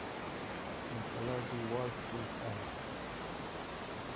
Nicolosi worked with A.